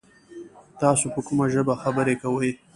تاسو په کومه ژبه خبري کوی ؟